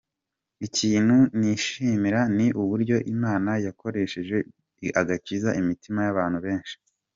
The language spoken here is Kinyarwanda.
Ikintu nishimira ni uburyo Imana yankoresheje igakiza imitima y’abantu benshi.